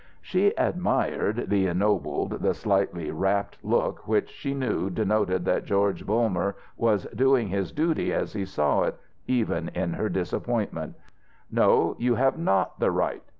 She admired the ennobled, the slightly rapt look which, she knew, denoted that George Bulmer was doing his duty as he saw it, even in her disappointment. "No, you have not the right.